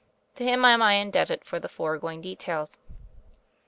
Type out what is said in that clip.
To him am I indebted for the fore going details.